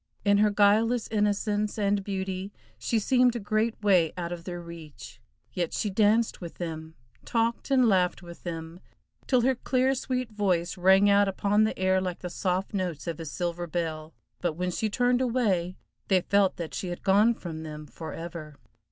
In her guileless innocence and beauty she seemed a great way out of their reach, yet she danced with them, talked and laughed with them, till her clear, sweet voice rang out upon the air like the soft notes of a silver bell, but when she turned away, they felt that she had gone from them forever.